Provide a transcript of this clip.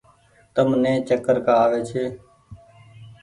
تم ني چڪر ڪآ آوي ڇي۔